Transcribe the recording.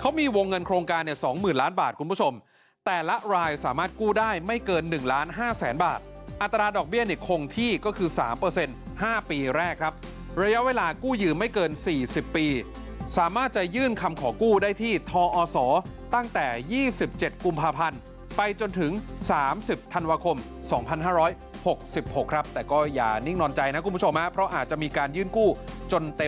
เขามีวงเงินโครงการเนี่ย๒๐๐๐ล้านบาทคุณผู้ชมแต่ละรายสามารถกู้ได้ไม่เกิน๑ล้าน๕แสนบาทอัตราดอกเบี้ยเนี่ยคงที่ก็คือ๓๕ปีแรกครับระยะเวลากู้ยืมไม่เกิน๔๐ปีสามารถจะยื่นคำขอกู้ได้ที่ทอศตั้งแต่๒๗กุมภาพันธ์ไปจนถึง๓๐ธันวาคม๒๕๖๖ครับแต่ก็อย่านิ่งนอนใจนะคุณผู้ชมฮะเพราะอาจจะมีการยื่นกู้จนเต็ม